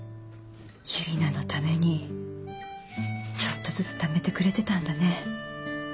ユリナのためにちょっとずつためてくれてたんだね。